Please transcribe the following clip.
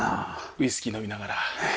ウイスキー飲みながら。